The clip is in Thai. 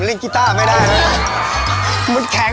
อีกนิดนึง